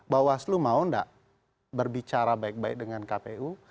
bawaslu mau tidak berbicara baik baik dengan kpu